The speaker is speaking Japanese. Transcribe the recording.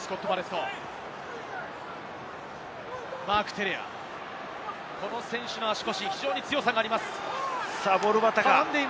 マーク・テレア選手の足腰、非常に強さがあります。